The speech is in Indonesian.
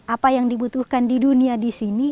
apa yang dibutuhkan di dunia di sini